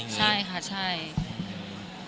ชวนกินอย่างงี้ใช่ค่ะ